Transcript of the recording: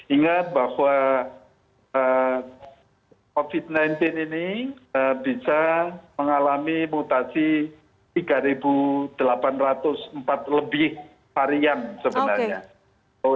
ingat bahwa covid sembilan belas ini bisa mengalami mutasi tiga delapan ratus empat lebih varian sebenarnya